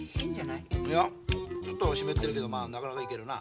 いやちょっと湿ってるけどまあなかなかいけるな。